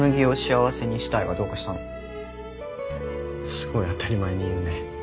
すごい当たり前に言うね。